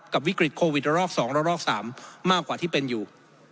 กับวิกฤตโควิดรอบ๒และรอบ๓มากกว่าที่เป็นอยู่